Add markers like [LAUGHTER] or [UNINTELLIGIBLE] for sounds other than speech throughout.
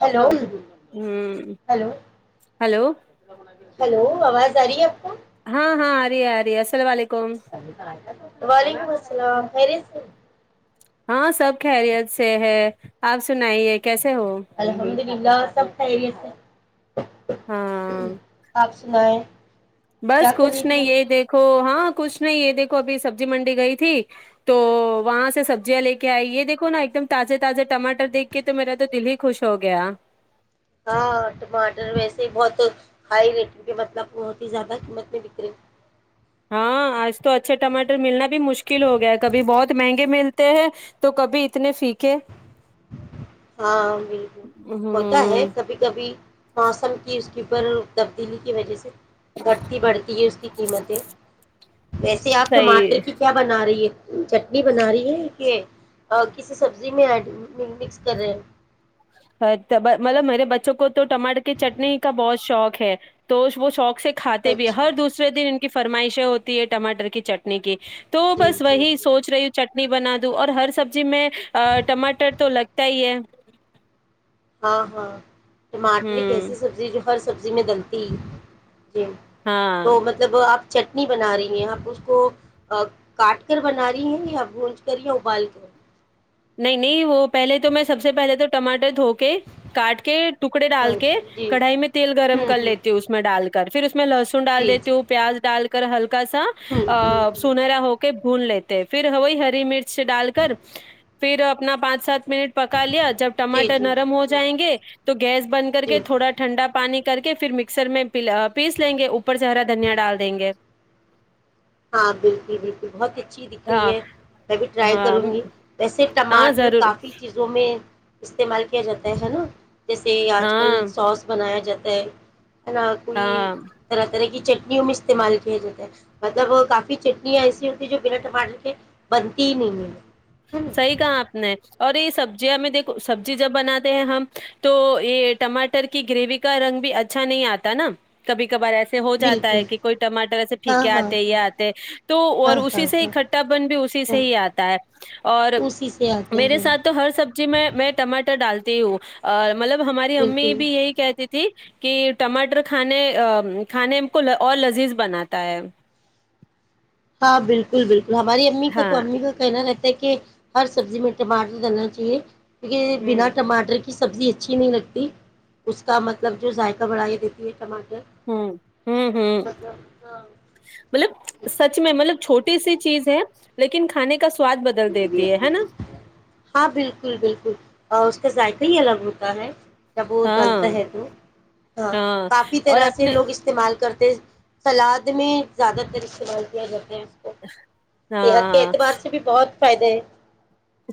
hello [INAUDIBLE] ہوں hello hello [INAUDIBLE] hello آواز آ رہی ہے آپ کو ہاں ہاں ا رہ آ رہ السل علیکم وعلیکم السلام میرس ہاں سب خیریت سے ہے آپ سنائیے کیسے ہو الحمد للہ سب سری ہے سر ہاں ائے بس کچھ نہیں ہے دیکھو ہاں کچھ نہیں یہ دیکھو ابھی سبزی منڈی گئی تھی تو وہاں سے سبزیاں لے کے آئی یہ دیکھو نا ایک دم تازے تازے ٹماٹر دیکھ کے تو میرا تو دل ہی خوش ہو گیا ہاں ٹماٹر ویسے ہی بہت ہائی ریٹنگ کے مطلب بہت ہی زیادہ قیمت میں بک رہے ہاں آج تو اچھے ٹماٹر ملنا بھی مشکل ہو گیا ہے کبھی بہت مہنگے ملتے ہیں تو کبھی اتنے پھیکے ہاں بالکل ہوتا ہے ہ کبھی کبھی موسم کی اس کی پر تبدیلی کی وجہ سے گٹتی بڑھتی ہے اس کی قیمتیں ویسے آپ صحیح ٹماٹر کی کیا بنا رہی ہے چٹنی بنا رہی ہے کہ کسی سبزی میں ایڈ م اس کرر مطلب میرے بچوں کو تو ٹماٹر کی چٹنی کا بہت شوق ہے تو وہ شوق سے کاتے بھی اچھا ہر دوسرے دن ان کے کی فرمائشیں ہوتی ہے ٹماٹر کی چٹنی کی تو جی بس جی وہی جی سوچ رہی ہوں چ نہیں بنا دوں اور ہر سبزی میں ٹماٹر تو لگتا ہی ہے ہاں ہاں ٹاٹر ایک ہ ایسی سبزی جو ہر سبزی میں دلتی جی ہاں تو مطلب آپ چٹنی بنا رہی ہیں آپ اس کو کاٹ کر بنا رہی ہیں یا بھونول کر یا ابال کر نہیں نہیں وہ پہلے تو میں سب سے پہلے تو ٹماٹر دو کاٹ کے ٹکڑے ڈال ہاں کے جی جی کڑھائی میں تیل گرم ہوں کر ہوں لیتی اس میں ڈال کے کرھر میں لہسن ڈال جی جی دیتی ہوں پیاز ڈال کے کر ہلکا س ہوں ہوں ا ہوں سنرا ہو کہ بھون لیتے پھر ہوئی ہری مرچ ڈال کر پھر اپنا پانچ سات منٹ پکا لیا جب جی ٹماٹر جی نرم ہو جی جائیں گے تو گیس بند کر جی کے تھوڑا ٹھنڈا پانی کر کے پھر مکسر میں پیس لیں گے اوپر چہرا دھنیا ڈال دیں گے ہاں بالکل بالکل بہت ہی اچھی دکھ رہی ہاں ہے میں بھی ٹرائی ہاں کروں گی ویسے ہاں ٹماٹر ضرور کافی چیزوں میں استعمال کیا جاتا ہے نا جیسے آج کل ہاں سوس بنایا جاتا [INAUDIBLE] کوئی ہاں طرح طرح کی چ یوم استعمال کیے جات ہیں مطلب وہ کافی چٹنیاں ایسی ہوتی ہے جو بنا ٹماٹر کے بنتی ہی نہیں ہے ہے نا صحیح کہا آپ نے اور یہ سبزی جی ہمیں دیکو سبزی جب بناات ہیں ہم تو یہ ٹماٹر کی گریوی کا رنگ بھی اچھا نہیں آتا نا کبھی کبار ایسا سے ہو جاتا ہے بالکل کہ کوئی ٹماٹر ایسے ہاں پھکے ہاں آتے ہاں یہ آتے تو اور ہاں ہاں اسی سے ہی ہاں کھٹا بن بھی اسی ہاں سے ہی آتا ہے اسی سے آتے میرے ہیں ساتھ تو ہر سبزی میں میں ٹماٹر ر ڈالتی ہوں اور مطلب ہماری امی بالکل بھی یہی کہتی تھھی جی کہ ٹماٹر کھانے کھانے کو اور لذیذ بناتا ہے ہاں بالکل بالکل ہماری امی کا ہاں تو امی کا کہنا رہ کہ ہر سبزی میں ٹماٹر دلنا چاہیے ہ بنا ٹماٹر سبزی اچھی نہیں لگتی اس کا مطلب جو ذائقہ بڑھائییا دیتی ہے ٹماٹر ہوں ہوں ہوں مطلب مطلب سچ میں مطلب چھوٹی سی چیز ہے لیکن کھانے کے ہاں بالکل بالکل اور اس کا ذائقہ وہی الگ ہوتا ہے جب وہ ہاں ڈلتا ہے تو ہاں کافی اور طرح سے اپنے لوگ استعمال کرتے سلاد میں زیادہ تر استعمال کیا جاتا ہے صحت کے ہاں اعتبار سے بھی بہت فائدے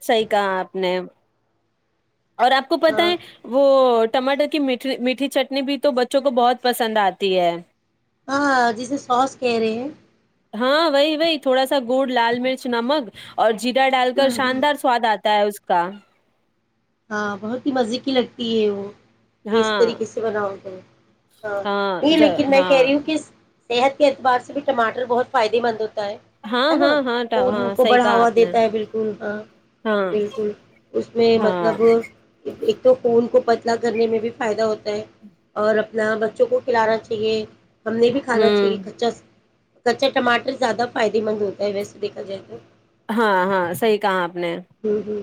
صحی کہا آپ نے اور آپ کو پت ہاں ہے وہ ٹماٹر کی میٹ میٹھی چٹنی بھی تو بچوں کو بہت پسند آتی ہے ہاں جیسے سوس کہہ رہے ہیں ہاں وہی وہی تھوڑا سا گڑ لال مرچ نمک اور جیرا ڈال کر ہ ہ شاندار سواد آ ت از کا ہاں بہت ہی مزے کی لگتی ہے وہ ہاں اس طریقے سے بناؤ کر ہاں یہ ز- لیکن میں ہاں کہہ رہی ہوں کہ صحت کے اعبار سے بھی ٹاٹر بہت فائدے مند ہوتے ہاں ہے ہاں نا ہاں ٹ- اور ان ہاں کو صحیح کہا بڑھاوا آپ نے دیتا ہے بالکل ہاں ہاں بالکل اس میں م ہاں [UNINTELLIGIBLE] تو خون کو پتلا کرنے میں بھی فائدہ ہوتا ہے اور اپنا بچوں کو کھلانا چاہیے ہم نے بھی ہ کھانا چاہیے کچا س کچا ٹماٹر زیادہ فائدے مند ہوتا ہے ویسے دیکھا جائے تو ہاں ہاں صحیح کہا آپ نے ہ ہ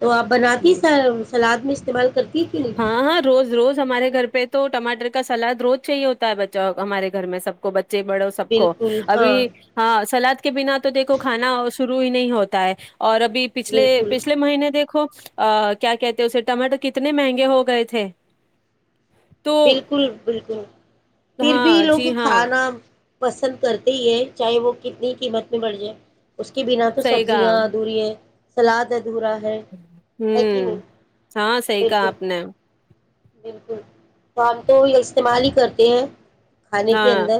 تو آپن ہ رکھیس سلاد میں استعمال کرتے ہاں ہاں روز روز ہمارے گھر پہ تو ٹماٹر کا سلاد روز سےاہی ہوتا ہے بچہ ہمارے گھر میں سب کو بچہ بچے بڑو سب کو بالکل ہاں ابھی ہاں سلاد کے بنا تو دیکھو کھانا شرو ہی نہیں ہوتا ہے اور ابھی پچھلے بالکل پچھلے مہینے دیک و کیا کہتے ہیں اسے ٹماٹو کتنا کتنے مہنگے ہو گئے تھے تو بالکل بالکل پھر بھی ہاں لوگ جی ہاں کھانا پسند کرتے ہے چاہے وہ کتنی قیمت میں بڑھ جائے اس کے بنا تو صحیح کہا سبزیاں ادھوری ہے سلاحد ہوں ہاں صحی کہا بالکل آپ نے بالکل تو آپ تو استعمال ہی کرتے ہیں کھانے کے ہاں اندر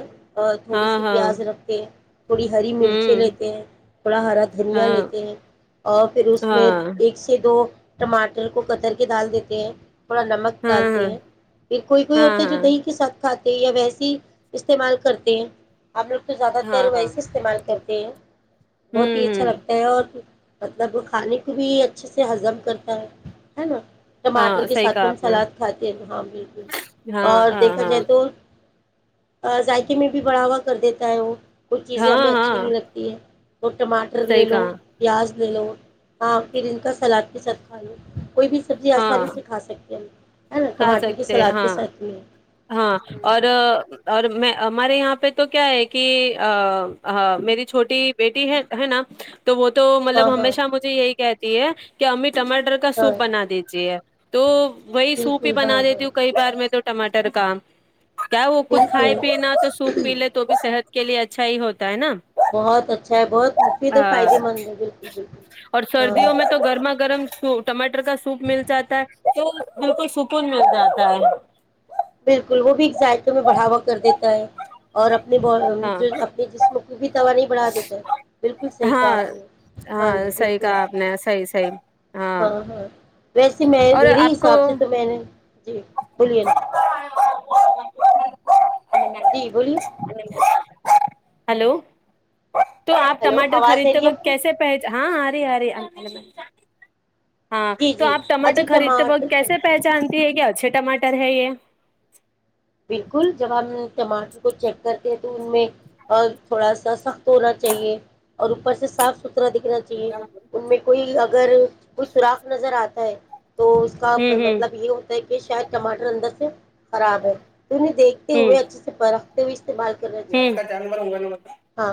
تھوڑی ہاں سی ہاں پیاز رکھ کے تھوڑی ہری مرچیں ہوں لیتے ہیں تھوڑا ہرا دھنیا ہاں لیتے ہیں اور پھر اس میں ہاں ایک سے دو ٹماٹر کو قطر کی دال دیتے ہیں پڑا نمک ہاں ڈالتے ہاں ہیں کوئی کوئی ہاں ہوتا ہے جو ہاں دہی کے ساتھ کھاتے ہیں یا ویسی استعمال کرتے ہیں ہمپ لوگ تو زیادہ ہاں تر ہاں ویسے استعمال کر تین بہت ہوں ہی اچھا ہوں لگتا ہے اور مطلب کھانے کو بھی اچھے سے ہضم کرتا ہے ہے نا ٹماٹر ہاں کے صحیح ساتھ کہا میں ہم آپ نے سلاد کھاتے ہیں وہاں بھی ہاں اور ہاں دیکھا ہاں جائے تو ا ذائقے میں بھی بڑھاوا کر دیتا ہے وہ کچھ چیزیں ہمیں ہاں اچھی ہاں نہیں لگتی ہیں تو ٹماٹر لے صحیح لو کہا پیاز لے لو ہاں پھر ان کا سلاد کے ساتھ کھا لو کوئی بھی سبزی ہاں آسانی سے کھا سکتے ہیں نا کھا ٹماٹر کی سکتے آپ کے ہاں ساتھ میں ہاں اور اور میں ہمارے یہاں پہ تو کیا ہے کہ میری چھوٹی بیٹی ہے ہے نا تو وہ تو ہاں مطلب ہاں ہمیشہ مجھے یہی کہتے ہے کہ امت ٹماٹر کا ہاں سوپ بنا دیتی ہے تو وہی سوپ ہی بالکل ہاں بنا دیتی ہاں ہوں کئی بار میں تو مٹ مک کیا وہ کچھ کھائے بالکل پیینا تو سوپ پی لے تو بھی صحت کے لیے اچھا ہی ہوتا ہے نا بہت اچھا ہے بہت مفید اور ہاں فائدے مند ہے بالکل بالکل اور ہاں سردیوں میں تو گرما گرم س ٹماٹر کا سوپ مل جاتا ہے تو بالکل سکون مل جاتا ہے [INAUDIBLE] بالکل وہ بھی ذائقے میں بڑھاوا کر دیتا ہے اور اپنے ہاں جو اپنے جسم کو بھی دوا نہیں بڑھا دیتے ہاں ہاں صحی بالکل کہا آپ نے صحی صحی ہاں ویسے میں اور میرے آپ کو حساب سے تو میں نے [INAUDIBLE] جی بولیے نا جی بولیے ہلو تو آپ ہیلو ٹماٹر آواز آ خریدتے رہی ہے آپ وقت کو کیسے پہ ہاں ہاں ا ار [UNINTELLIGIBLE] ہاں جی تو جی آپ ٹماٹر اچھا خریدتے ٹماٹر وقت کیسے سبزی پہچانتی ہے کیا اچھے ٹماٹر ہے یہ بالکل جب ہم ٹماٹر کو چیک کرتے ہیں تو ان میں اور تھوڑا سا سخت ہونا چاہیے اور اوپر سے صاف ستھرا دکھنا چاہیے ہوں ان میں کوئی اگر کچ س راخ نظر آتا ہے تو اس کا ہوں مطلب یہ ہوتا ہے کہ شاید ٹماٹر اندر سے خراب ہے توہیں دیکھتے ہوئے ہوں اچھے سے پا [INAUDIBLE] است بال کرنااہ ہوں ہاں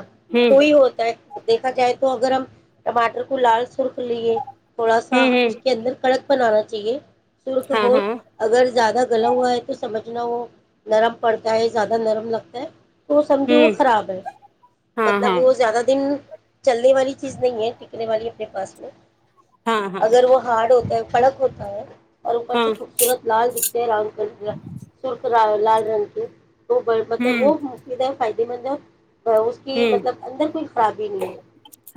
وہی ہوتا ہے دیکھا جائے تو اگر ہم ٹماٹر کو لال سرخ لیے تھوڑا سا ہوں اس کے اندر کڑک بنانا چاہیے سرخ ہو اگر زیادہ گلا ہوا ہے تو سمجھنا ہو نرم پڑتا ہے زیادہ نرم لگتا ہے تو ہوں سمجھو وہ ہوں خراب ہے ہاں ہاں ہوں ہاں مطلب ہاں وہ زیادہ دن چلنے والی چیز نہیں ہے نے والی اپنے پاس میں ہاں ہاں اگر وہ ہارڈ ہوتا ہے کڑک ہوتا ہے اور اوپر ہاں سے خوبصورت لال دکھتے ہیں را سرخ ل جن کی تو مطلب ہوں وہ مکد فائد مندہ اس کی ہوں مطلب اندر کوئی خرابی نہیں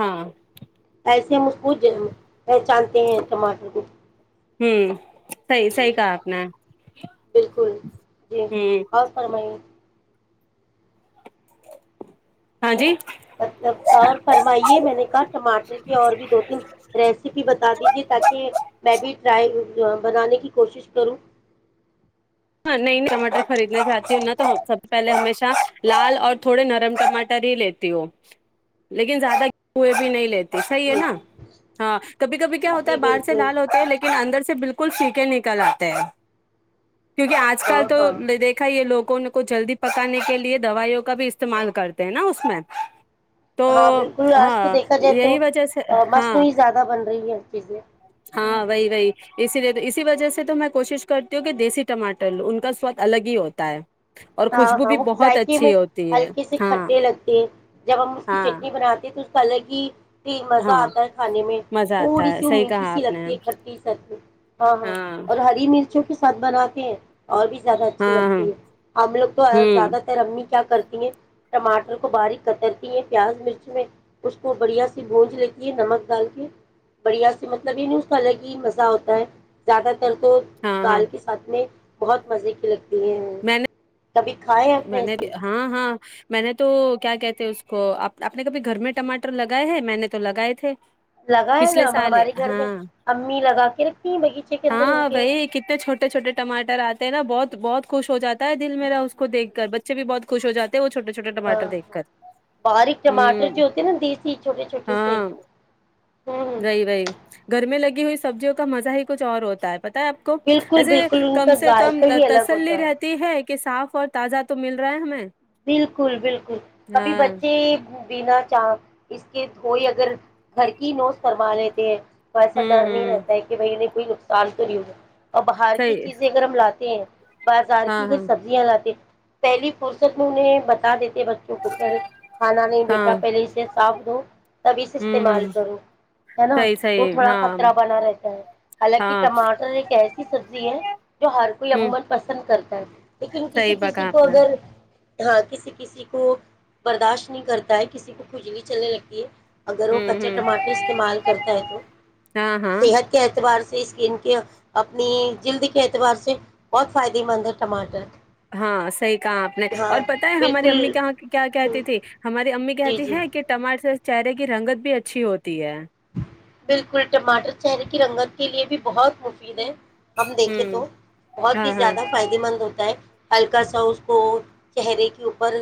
ہاں ایسے ہم اس کو پہچانتے ہیں ٹماٹر کو ہوں سی سی کہا اپ نے بالکل جی ہوں اور فرمائیے ہاں جی ل اور فرمائیے میں نے کہا ٹماٹر کی اور بھی دو تین ریسیپی بتا دیجے تاکہ میں بھی ٹرائی بنانے کی کوشش کرو ہاں نہیں نہیں ٹماٹر خریدنا چاہتی ہوں نہ تو سب سے پہلے ہمیشہ لال اور تھوڑے نرم ٹماٹر ہی لیتی ہوں لیکن زیادہ کیں بھی نہیں لیتی صحیح ہے جی نا جی ہاں کبھی کبھی کیا ہوتا ہے جی باہر سے بالکل لال ہوتا ہے لیکن اندر سے بالکل سیھے نکل آتے ہیں کیونکہ آج کل ہاں تو ہاں دیکھا یہ لوگ کو نہ کو جلدی پکانے کے لیے دوائیوں کا بھی استعمال کرتے ہیں نا اس میں تو ہاں بالکل آج تو ہاں دیکھا جائے تو یہی وجہ سے مسم ہاں ہی زیادہ بن رہی ہے جی [INAUDIBLE] ہاں وہی وہی اسی لیے اسی وجہ سے تو میں کوشش کرتی ہوں کہ دیسی ٹماٹر ل ان کا سواد الگ ہی ہوتا ہے اور ہاں خوشبو ہاں بھی وہ بہت ذائقے میں اچھی ہوتی ہے ہلکے سے ہاں کھٹے لگتے ہیں جب ہم اس کی ہاں چٹنی بناتے ہیں تو پالگی مزہ ہاں آتا ہے کھانے میں مزہ آتا تھوڑی ہے سی وہ صحیح میٹھی کہا سی آپ نے لگتی ہے اکھٹی س میں ہاں ہاں اور ہری مرچوں کی سات بنا کے اور بھی زیادہ اچھی ہاں ہاں لگتی ہے ہم لوگ تو ہوں زیادہ تر ہم کیا کرتی ہیں ٹماٹر کو باریک کترتی ہے پیاز مرچ میں اس کو بڑھیا سی بج لیتی ہے نمک ڈال کے بڑھیا سے مطلب یہ نہیں اس کا الگ ہی مزہ ہوتا ہے زیادہ تو ہاں ہاں دال کے ساتھ میں بہت مزے کی لگتی ہے میں نے یہ کبھی کھائے اپنے میں نے ایسی ہاں ہاں میں نے تو کیا کہتے اس کو آپ نے کبھی گھر میں ٹماٹر لگائے ہیں میں نے تو لگائے تھے لگائے پچھلے نا سال ہمارے گھر میں ہاں امی لگا کے رکھتی ہیں باغیچے کے اندر ان ہاں کے بھائی کتنے چھوٹے چھوٹے ٹماٹر آتے ہیں نا بہت بہت خوش ہو جاتا ہے دل میرا اس کو دھ کر بچے بھی بہت خوش ہو جاتے وہ چھوٹے چھوٹے ہاں ٹماٹر دیکھ کر باریک ٹماٹر ہوں جو ہوتے ہیں نا دیسی چھوٹے چھوٹے سے ہاں ہوں ہوں وہی وہی گھر میں لگی ہوئی سبزیوں کا مزہ ہی کچھ اور ہوتا ہے پت ہے آپ کو بالکل ایسے بالکل ان کم کا سے کم ذائقہ ہی الگ تسلی ہوتا رہتی ہے کہ صاف اور تازہ تو مل رہا ہے ہمیں بالکل بالکل کبھی ہاں بچے بنا چاہ اس کے دھوئی اگر گھر کی نوس فروا لیتے ہیں وہ ایسا ہوں ڈر نہیں ہوں رہتا ہے کہ بھ کوئی نقصان کر ہو ہو اور باہر کی صحیح چیزیں اگر ہم لاتے ہیں بازار ہاں کی ہاں کچھ سبزیاں لاتے پہلی پور س میںہیں بتا دیتے بچوں کو کہے کھانا نہیں ہاں بیٹا پہلے اسے صاف دو تب اسے ہوں استعمال ہوں کرو ہے نا صحیح تو صحیح تھوڑا ہاں خطرہ بنا رہتا ہے حالانکہ ہاں ٹماٹر ایک ایسی سبزی ہے [INAUDIBLE] ہوں سر [INAUDIBLE] لیکن کسی صحیح کسی بکا کو آپ نے اگر ہاں کسی کسی کو برداشت نہیں کرتا ہے کسی کو کجلی چلنے لگتی ہے اگر وہ ہوں کچا ہوں ٹماٹر استعمال کرتا ہے تو ہاں ہاں صحت کے اعتبار سے اسک ان کے اپنی جلد کے اعتبار سے بہت فائدے مند ہے ٹماٹر ہاں اسا ایک کہاں آ نے ہاں اور پت ہے ہماری امی بالکل کیا ہوں، کہتی تھی ہماری امی جی کہتی جی ہے کہ ٹماٹر چہرے کی رنگت بھی اچھی ہوتی ہے بالکل ٹماٹر چہرے کی رنگت کے لیے بھی بہت مفید ہے ہم دیکھیں ہوں تو بہت ہی ہاں ہاں زیادہ فائدے مند ہوتا ہے ہلکا سا اس کو چہرے کے اوپر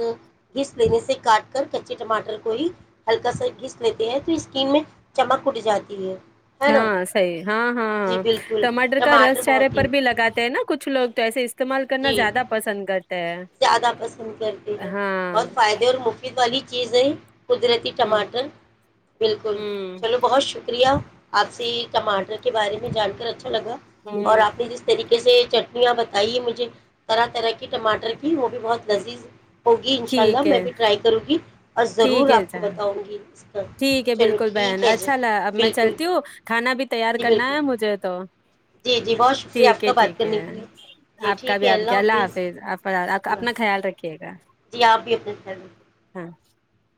گس لینے سے کاٹ کر کچے ٹماٹر کو ہی ہلکا سا گس لیتے ہیں تو اسکین میں چمک اٹ جاتی ہے ہے نا ہاں صحیح ہاں ہاں ہاں جی بالکل ٹماٹر کا رس چہرے بہت پر ہی بھی لگاتے ہیں نا کچھ لوگ توسے استعمال کرنا جی زیادہ پسند کرتے ہیں زیادہ پسند کرتی ہیں ہاں بہت فائدے اور مفید والی چیزیں قدرتی ہوں ٹماٹر بالکل ہوں چلو بہت شکریہ آپ سے ٹماٹر کے بارے میں جان کر اچھا لگا اور ہوں آپ نے جس طریقے سے چٹنیاں بتائیے مجھے طرح طرح کے ٹماٹر کی وہ بھی بہت لذیذ ہوگی انشاء اللہ ٹھیک میں ہے بھی ٹرائی کروں گی اور ضرور ٹھیک ہے آپ کو جان بتاؤں گی کا ٹھیک ہے چلو بالکل بہن ٹھیک ہے جی اچھا ل اب میں بالکل چلتی ہوں کھانا بھی تیار جی کرنا بالکل ہے مجھے تو جی جی بہت شکریہ آپ ٹھیک ہے کا بات ٹھیک کرنے ہے کے لیے جی آپ کا ٹھیک بھی ہے آپ کیا اللہ حافظ جی آپ اللہ اپنا حافظ خیال رکھیے گا جی آپ بھی اپنے سھر میں [INAUDIBLE]